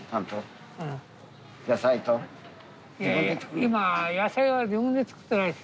今野菜は自分で作ってないです。